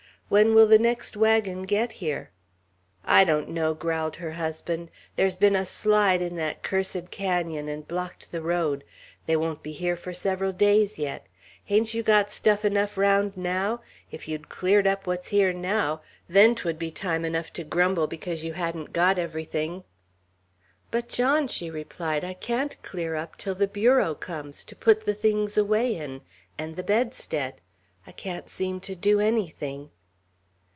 "When will the next wagon get here?" "I don't know," growled her husband. "There's been a slide in that cursed canon, and blocked the road. They won't be here for several days yet. Hain't you got stuff enough round now? If you'd clear up what's here now, then 'twould be time enough to grumble because you hadn't got everything." "But, John," she replied, "I can't clear up till the bureau comes, to put the things away in, and the bedstead. I can't seem to do anything."